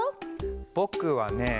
ぼくはね